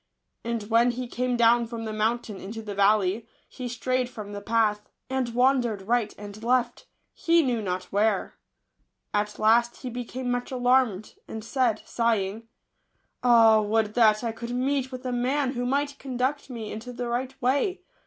And when he came down from the mountain into the valley, he strayed from the path, and wandered right and left, he knew not where. At last he became much alarmed, and said, sighing :" Ah, would that I could meet with a man who might conduct me into the right way